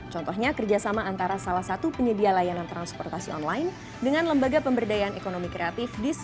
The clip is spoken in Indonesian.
contohnya kerjasama antara salah satu penyedia layanan transportasi online dengan lembaga pemberdayaan ekonomi kreatif disable selaku pihak ketiga